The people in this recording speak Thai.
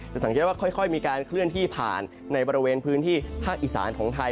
สังเกตว่าค่อยมีการเคลื่อนที่ผ่านในบริเวณพื้นที่ภาคอีสานของไทย